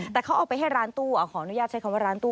แต่เขาเอาไปให้ร้านตู้ขออนุญาตใช้คำว่าร้านตู้